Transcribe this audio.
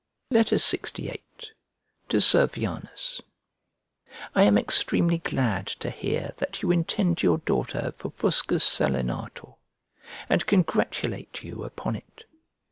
LXVIII To SERVIANUS I AM extremely glad to hear that you intend your daughter for Fuscus Salinator, and congratulate you upon it.